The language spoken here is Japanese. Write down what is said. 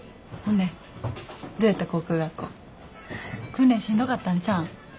訓練しんどかったんちゃうん。